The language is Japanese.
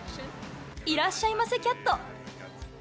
いらっしゃいませキャット。